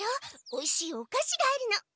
おいしいおかしがあるの。